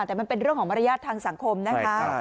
แต่มันเป็นเรื่องของมารยาททางสังคมนะคะ